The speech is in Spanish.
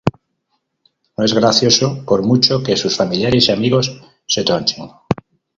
no es gracioso por mucho que sus familiares y amigos se tronchen